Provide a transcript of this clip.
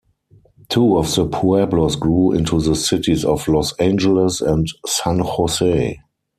Two of the pueblos grew into the cities of Los Angeles and San Jose.